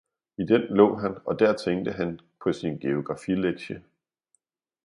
i den lå han og der tænkte han på sin geografilektie.